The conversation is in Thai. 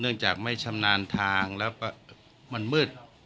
จากไม่ชำนาญทางแล้วมันมืด